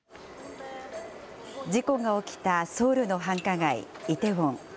事故が起きたソウルの繁華街、イテウォン。